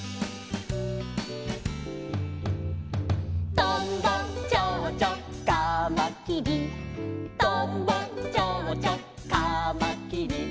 「とんぼちょうちょうかまきり」「とんぼちょうちょうかまきり」